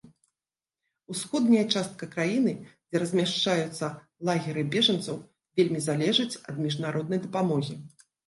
Усходняя частка краіны, дзе размяшчаюцца лагеры бежанцаў, вельмі залежыць ад міжнароднай дапамогі.